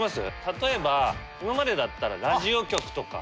例えば今までだったらラジオ局とか。